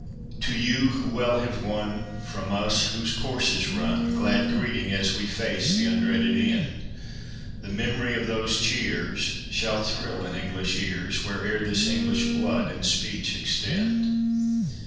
"To you, who well have won, From us, whose course is run, Glad greeting, as we face the undreaded end!" The memory of those cheers Shall thrill in English ears Where'er this English blood and speech extend.